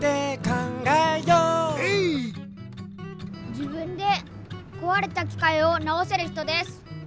じぶんでこわれたきかいをなおせるひとです。